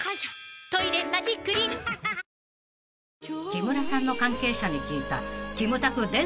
［木村さんの関係者に聞いた］